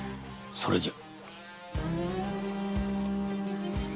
それじゃ。